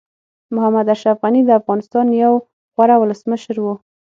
محمد اشرف غني د افغانستان یو غوره ولسمشر وو.